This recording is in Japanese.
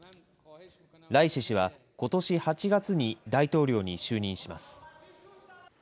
ライシ師はことし８月に大統領に就任します。